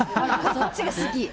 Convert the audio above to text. そっちが好き。